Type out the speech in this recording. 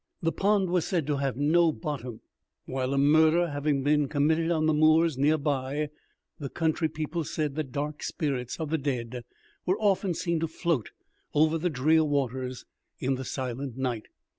The pond was said to have no bottom, while a murder having been committed on the moors near by, the country people said that dark spirits of the dead were often seen to float over the Drearwaters in the silent night.